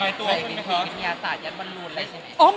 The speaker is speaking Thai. มีอาสาทยัดมนุนเลยใช่ไหม